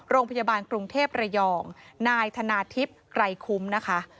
โรงพยาบาลกรุงเทพระยองนายธนาทิพย์ไกรคุ้มนะคะ